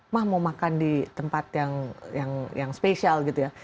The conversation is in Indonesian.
mah mau makan di tempat yang spesial gitu ya